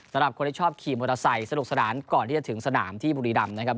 สำหรับคนที่ชอบขี่มอเตอร์ไซค์สนุกสนานก่อนที่จะถึงสนามที่บุรีรำนะครับ